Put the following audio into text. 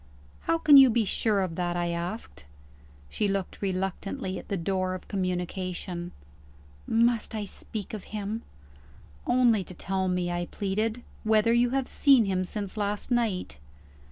"How can you be sure of that?" I asked. She looked reluctantly at the door of communication. "Must I speak of him?" "Only to tell me," I pleaded, "whether you have seen him since last night."